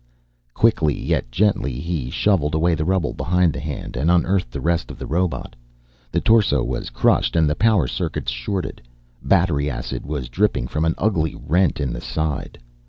Quickly, yet gently, he shoveled away the rubble behind the hand and unearthed the rest of the robot. The torso was crushed and the power circuits shorted, battery acid was dripping from an ugly rent in the side.